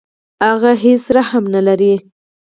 هغه هیڅ رحم نه لري.